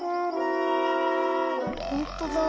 ほんとだ。